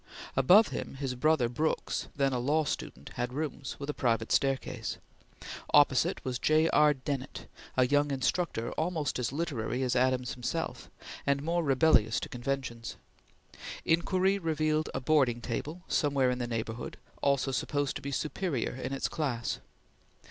Above him, his brother Brooks, then a law student, had rooms, with a private staircase. Opposite was J. R. Dennett, a young instructor almost as literary as Adams himself, and more rebellious to conventions. Inquiry revealed a boarding table, somewhere in the neighborhood, also supposed to be superior in its class.